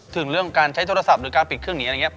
ถึงเรื่องการใช้โทรศัพท์หรือการปิดเครื่องหนีอะไรอย่างนี้